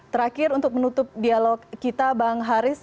terakhir untuk menutup dialog kita bang haris